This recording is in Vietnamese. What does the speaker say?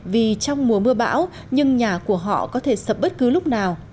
vì trong mùa mưa bão nhưng nhà của họ có thể sập bất cứ lúc nào